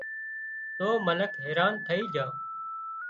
تو منک حيران ٿئي جھان